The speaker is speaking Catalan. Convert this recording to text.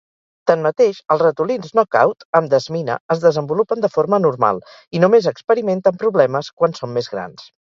Tanmateix, els ratolins "knockout" amb desmina es desenvolupen de forma normal i només experimenten problemes quan són més grans.